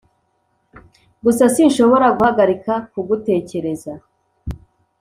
gusa sinshobora guhagarika kugutekereza.